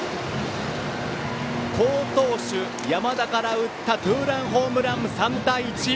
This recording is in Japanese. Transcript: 好投手・山田から打ったツーランホームラン、３対１！